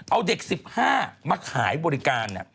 เอาเด็ก๑๕มาขายบริการ